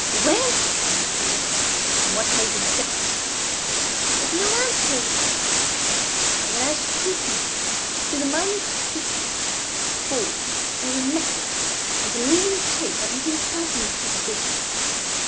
whence came he? and what are his objects?" But no answer was there found. And now I scrutinized, with a minute scrutiny, the forms, and the methods, and the leading traits of his impertinent supervision.